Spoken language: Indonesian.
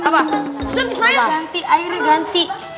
ganti airnya ganti